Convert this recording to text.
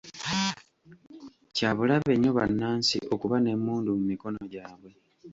Kyabulabe nnyo bannansi okuba n'emmundu mu mikono gyabwe.